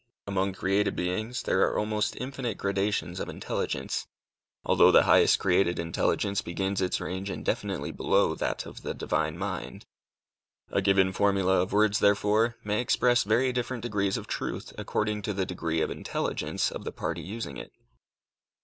Among created beings, there are almost infinite gradations of intelligence, although the highest created intelligence begins its range infinitely below that of the Divine mind. A given formula of words, therefore, may express very different degrees of truth according to the degree of intelligence of the party using it.